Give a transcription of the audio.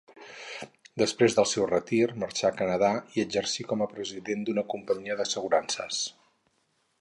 Després del seu retir marxà al Canadà i exercí com a president d'una companyia d'assegurances.